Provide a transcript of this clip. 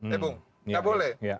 ya bung tidak boleh